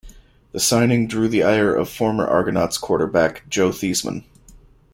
The signing drew the ire of former Argonauts quarterback Joe Theismann.